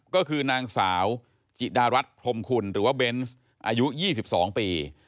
ก็คือนางสาวจิดารัฐพรมคุณหรือว่าเบนส์อายุ๒๒ปี